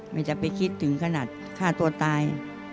จะไปคิดถึงขนาดฆ่าตัวตาย